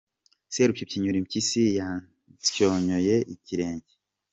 Serupyipyinyurimpyisi yansyonyoye ikirenge.